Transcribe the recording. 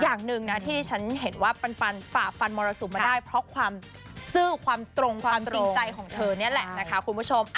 อย่างหนึ่งนะที่ที่ฉันเห็นว่าปันฝ่าฟันมรสุมมาได้เพราะความซื่อความตรงความจริงใจของเธอนี่แหละนะคะคุณผู้ชม